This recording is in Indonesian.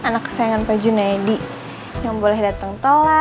tuh kan apa aku bilang